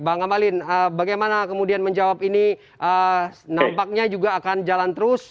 bang ambalin bagaimana kemudian menjawab ini nampaknya juga akan jalan terus